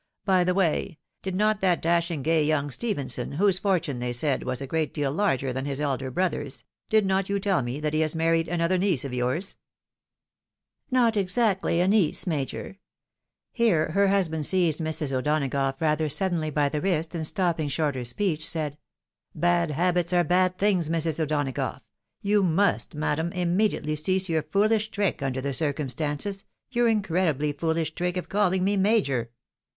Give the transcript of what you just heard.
By the way, did not that dashing gay young Stephenson, whose fortune they said was a great deal larger than his elder brother's, did not you tell me that he had married another niece of yours ?"" Not exactly a niece, Major." Here her husband seized Mrs. O'Donagough rather suddenly by the wrist, and stopping short her speech, said, "Bad habits are bad things, Mrs. O'Donagough ! You must, madam, immediately cease your foolish trick, under the circumstances, your incredibly foolish trick of calling me Major.